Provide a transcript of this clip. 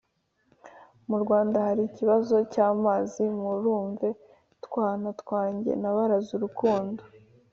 Mu rwanda hari ikibazo cyamaziMurumve twana twanjye nabaraze urukundo